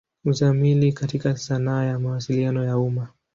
Uzamili katika sanaa ya Mawasiliano ya umma.